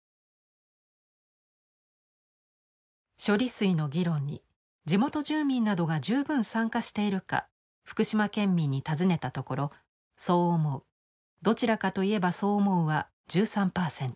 処理水の議論に地元住民などが十分参加しているか福島県民に尋ねたところ「そう思う」「どちらかと言えばそう思う」は１３％。